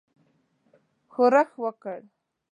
ښورښ وکړ.